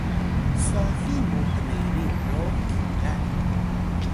swahi mu knerin ro kingan